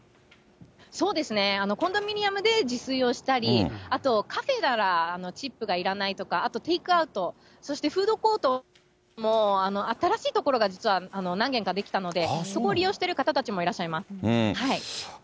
そうですね、コンドミニアムで自炊をしたり、あと、カフェならチップがいらないとか、あとテイクアウト、そしてフードコートも新しい所が実は何軒か出来たので、そこを利用している方たちもいらっしゃいます。